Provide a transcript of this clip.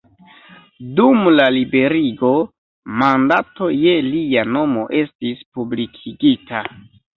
Dum la Liberigo, mandato je lia nomo estis publikigita.